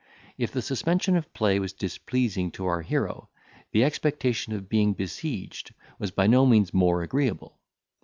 If the suspension of play was displeasing to our hero, the expectation of being besieged was by no means more agreeable.